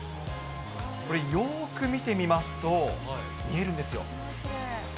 これ、よーく見てみますと見えるんですよ。